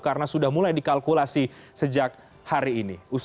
karena sudah mulai dikalkulasi sejak hari ini